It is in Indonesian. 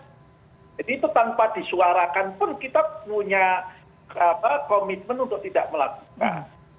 jadi itu tanpa disuarakan pun kita punya komitmen untuk tidak melakukan